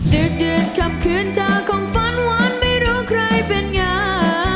ดึกเดือนคำคืนเจ้าของฝันหวานไม่รู้ใครเป็นไง